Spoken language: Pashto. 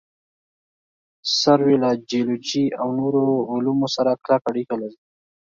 سروې له جیولوجي او نورو علومو سره کلکه اړیکه لري